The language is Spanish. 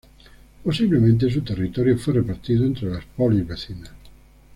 Posiblemente su territorio fue repartido entre las polis vecinas.